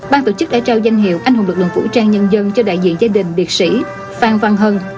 ban tổ chức đã trao danh hiệu anh hùng lực lượng vũ trang nhân dân cho đại diện gia đình liệt sĩ phan văn hân